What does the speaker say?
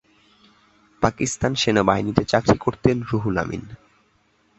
পাকিস্তান সেনাবাহিনীতে চাকরি করতেন রুহুল আমিন।